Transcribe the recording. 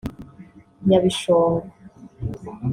Nyabishongo